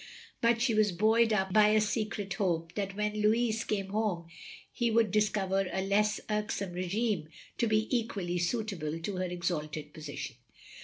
But she was buoyed up by a secret hope that when Louis came home he would discover a less irksome r6gime to be equally suitable to her exalted position.